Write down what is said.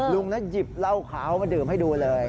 ลุงนะหยิบเหล้าขาวมาดื่มให้ดูเลย